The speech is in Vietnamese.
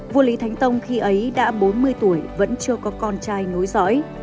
vua lý thánh tông khi ấy đã bốn mươi tuổi vẫn chưa có con trai nối dõi